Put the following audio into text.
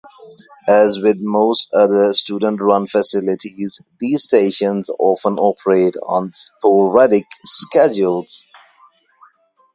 As with most other student-run facilities, these stations often operate on sporadic schedules.